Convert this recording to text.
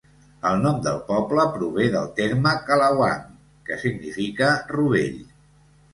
El nom del poble prové del terme "kalawang", que significa rovell.